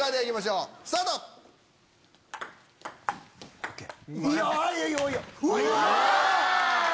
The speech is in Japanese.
うわ！